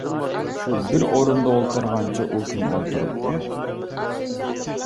شۇ بىر ئورنىدا ئولتۇرغانچە ئۈ كۈن ئولتۇرۇپتۇ.